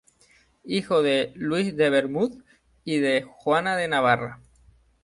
Hijo de Luis de Beaumont y de Juana de Navarra.